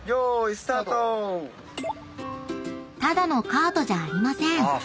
［ただのカートじゃありません］